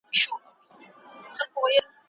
حکومتونه به په ټولنه کي عدالت تامین کړي.